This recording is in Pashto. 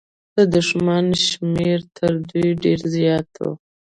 د دښمن شمېر تر دوی ډېر زيات و.